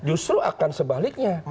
justru akan sebaliknya